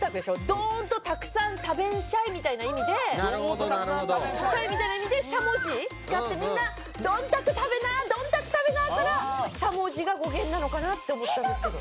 どーんとたくさん食べんしゃい？みたいな意味でしゃもじ使ってみんな「どんたく食べなどんたく食べな」からしゃもじが語源なのかなって思ったんですけど。